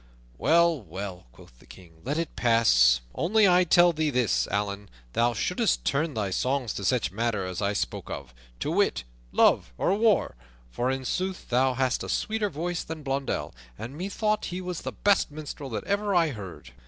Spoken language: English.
"Well, well," quoth the King, "let it pass; only I tell thee this, Allan, thou shouldst turn thy songs to such matters as I spoke of, to wit, love or war; for in sooth thou hast a sweeter voice than Blondell, and methought he was the best minstrel that ever I heard."